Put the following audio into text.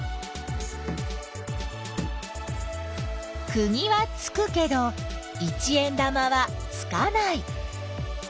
くぎはつくけど一円玉はつかない。